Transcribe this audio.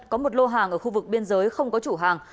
có một lô hàng ở khu vực biên giới không có chủ hàng